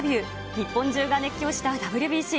日本中が熱狂したＷＢＣ。